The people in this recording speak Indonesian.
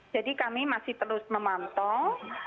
jadi kami masih terus memantau